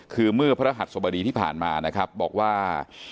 คือเมื่อพระรหัสสบดีที่ผ่านมานะครับบอกว่า